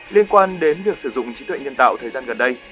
liên quan đến việc sử dụng trí tuệ nhân tạo thời gian gần đây